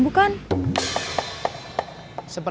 tidak ada apa apa